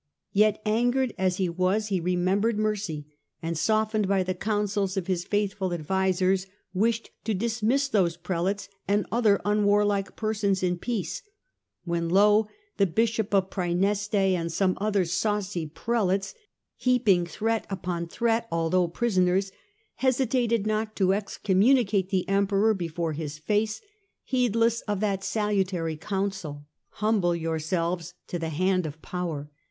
Yet, angered as he was, he remembered mercy, and, softened by the counsels of his faithful advisers, wished to dismiss those Prelates, and other unwarlike persons, in peace ; when lo the Bishop of Praeneste and some other saucy Prelates, heaping threat THE COUNCIL OF LYONS 233 upon threat, although prisoners, hesitated not to excom municate the Emperor before his face, heedless of that salutary counsel, * Humble yourselves to the hand of power.'